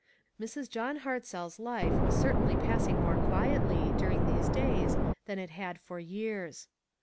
Mrs. John Hartzell's life was certainly passing more quietly, during these days, than it had for years.